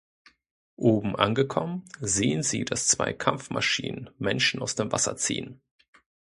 Oben angekommen sehen sie, dass zwei Kampfmaschinen Menschen aus dem Wasser ziehen.